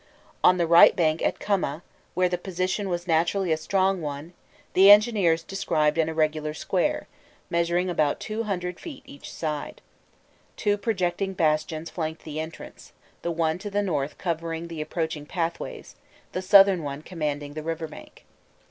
On the right bank at Kummeh, where the position was naturally a strong one, the engineers described an irregular square, measuring about two hundred feet each side; two projecting bastions flanked the entrance, the one to the north covering the approaching pathways, the southern one commanding the river bank.